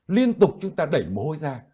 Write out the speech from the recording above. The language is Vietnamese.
liên tục chúng ta đẩy mồ hôi ra